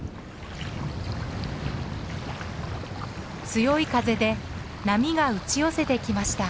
強い風で波が打ち寄せてきました。